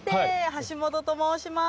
橋本と申します。